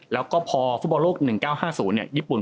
แล้วก็พอฟุบัลโลก๑๙๕๐เนี่ย